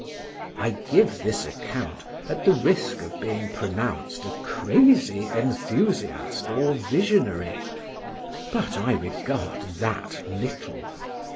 I give this account at the risk of being pronounced a crazy enthusiast or visionary; but I regard that little.